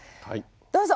どうぞ。